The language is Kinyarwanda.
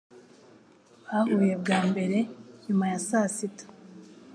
Bahuye bwa mbere nyuma ya saa sita.